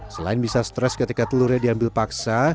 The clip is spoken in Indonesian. selain bisa stres ketika telurnya diambil paksa